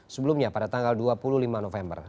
sebelumnya pada tanggal dua puluh lima november